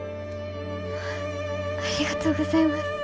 ありがとうございます。